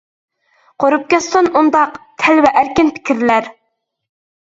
قۇرۇپ كەتسۇن ئۇنداق، تەلۋە ئەركىن پىكىرلەر!